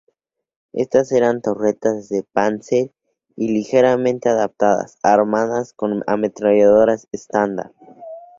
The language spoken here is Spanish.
Estas eran torretas de Panzer I ligeramente adaptadas, armadas con ametralladoras estándar.